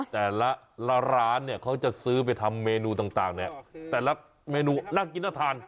แต่ละร้านเขาจะซื้อไปทำเมนูต่างตั้งแต่ละเมนูน่ากินแล้วทาน